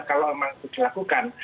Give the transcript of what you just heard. kalau memang itu dilakukan